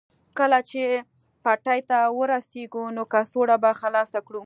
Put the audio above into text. کله چې پټي ته ورسېږو نو کڅوړه به خلاصه کړو